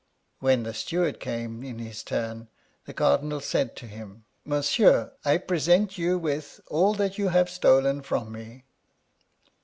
When the steward came in his turn, the Cardinal said to him : Monsieur, I present you with all that you have stolen from me.